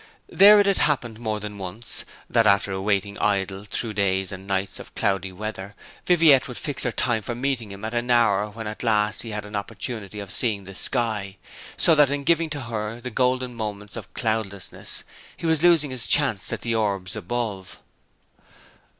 There it had happened more than once, that after waiting idle through days and nights of cloudy weather, Viviette would fix her time for meeting him at an hour when at last he had an opportunity of seeing the sky; so that in giving to her the golden moments of cloudlessness he was losing his chance with the orbs above.